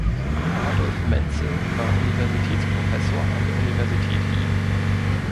Adolf Menzel war Universitätsprofessor an der Universität Wien.